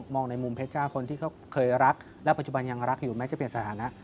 ในมุมเพชรจ้าคนที่เขาเคยรักและปัจจุบันยังรักอยู่แม้จะเปลี่ยนสถานะ